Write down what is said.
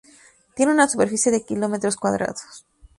Tiene una superficie de Kilómetros cuadrados.